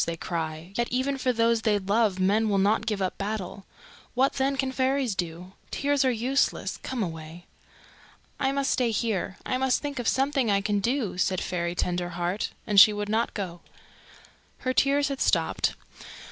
they cry. Yet even for those they love men will not give up battle. What, then, can fairies do? Tears are useless. Come away." "I must stay here. I must think of something I can do," said Fairy Tenderheart; and she would not go. Her tears had stopped.